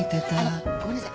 ごめんなさい。